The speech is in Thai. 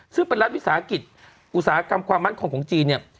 ซึ่งเป็นรัฐวิสาหกิจอุตสาหกรรมความมั่นคงของจีนเนี่ย